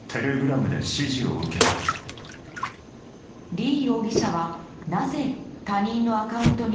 リ容疑者はなぜ他人のアカウントに。